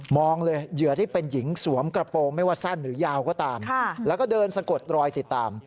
เลยเหยื่อที่เป็นหญิงสวมกระโปรงไม่ว่าสั้นหรือยาวก็ตามแล้วก็เดินสะกดรอยติดตาม